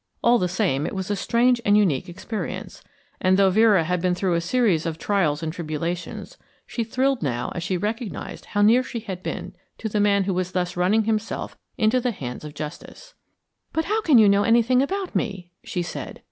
All the same it was a strange and unique experience; and though Vera had been through a series of trials and tribulations, she thrilled now as she recognised how near she had been to the man who was thus running himself into the hands of justice. "But how can you know anything about me?" she said.